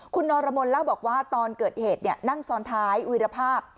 คุณนรมนเล่าบอกว่าตอนเกิดเหตุนั่งซ้อนท้ายวีรภาพ